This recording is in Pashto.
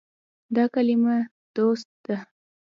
دا کلمه “دوست” ده.